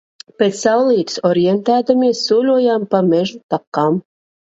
Pēc saulītes orientēdamies soļojām pa mežu takām.